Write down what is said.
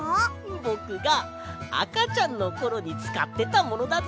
ぼくがあかちゃんのころにつかってたものだぞ。